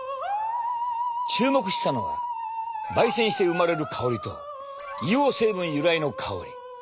注目したのは焙煎して生まれる香りと硫黄成分由来の香り。